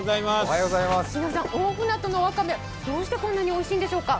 大船渡のわかめどうしてこんなにおいしいんでしょうか。